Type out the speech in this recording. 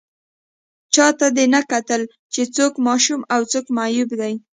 چا دې ته نه کتل چې څوک ماشوم او څوک معیوب دی